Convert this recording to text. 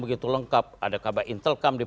begitu lengkap ada kabar intelkam di